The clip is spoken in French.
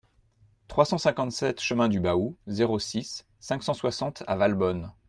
trois cent cinquante-sept chemin du Baou, zéro six, cinq cent soixante à Valbonne